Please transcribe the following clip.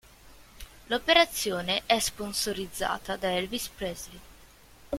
L'operazione è sponsorizzata da Elvis Presley.